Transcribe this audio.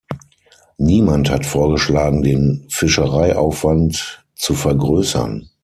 Niemand hat vorgeschlagen, den Fischereiaufwand zu vergrößern.